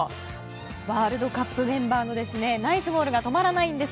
ワールドカップメンバーのナイスゴールが止まらないんです。